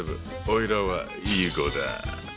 おいらはいい子だ。